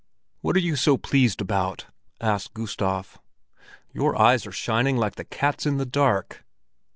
"What are you so pleased about?" asked Gustav. "Your eyes are shining like the cat's in the dark."